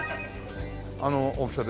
あの大きさで。